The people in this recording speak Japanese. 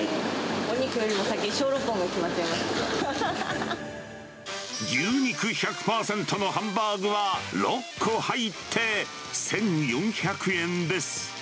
お肉よりに先にショウロンポ牛肉１００％のハンバーグは６個入って１４００円です。